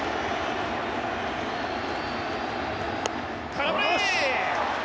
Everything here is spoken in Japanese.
空振り！